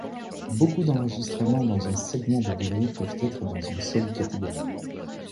Beaucoup d'enregistrements dans un segment de données peuvent être dans une seule catégorie.